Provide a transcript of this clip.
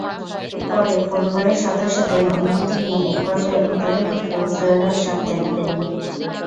পরে পরিবারের সদস্যদের অনুমতি নিয়ে একপর্যায়ে ভেতরে ঢুকলেও সৈয়দ আশরাফ দেখা দেননি।